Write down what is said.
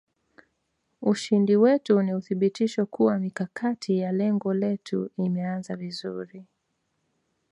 Ushindi wetu ni uthibitisho kuwa mikakati ya lengo letu imeanza vizuri